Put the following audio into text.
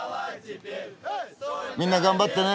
みんな頑張ってね！